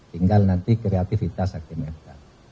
tinggal nanti kreativitas akhirnya